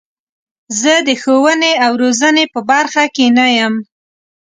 زه د ښوونې او روزنې په برخه کې نه یم.